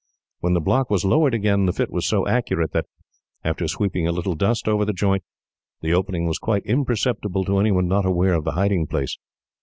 When the block was lowered again, the fit was so accurate that, after sweeping a little dust over the joint, the opening was quite imperceptible to any one not aware of the hiding place.